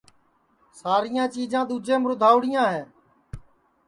ساریاں چیجاں دؔوجیم رودھاوڑیاں ہے